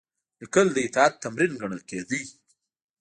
لیکل د اطاعت تمرین ګڼل کېده.